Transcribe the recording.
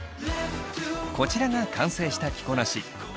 こちらが完成した着こなし。